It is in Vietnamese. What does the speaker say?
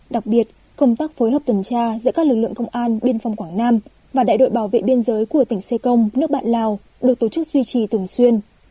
đặc biệt công tác phối hợp tuần tra giữa các lực lượng công an biên phòng quảng nam và đại đội bảo vệ biên giới của tỉnh xê công nước bạn lào được tổ chức duy trì thường xuyên